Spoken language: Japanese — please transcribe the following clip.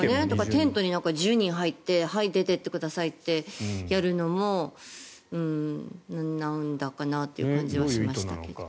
テントに１０人入ってはい、出てってくださいってやるのもなんだかなという感じがしましたけど。